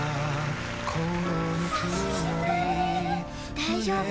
大丈夫。